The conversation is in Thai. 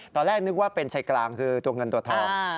ตอนแรกนึกว่าเป็นชัยกลางคือตัวเงินตัวทอง